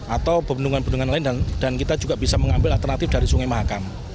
atau bendungan bendungan lain dan kita juga bisa mengambil alternatif dari sungai mahakam